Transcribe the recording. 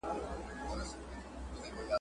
د نجونو تعلیم د اسلام له نظره هم اړین دئ.